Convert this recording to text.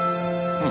うん。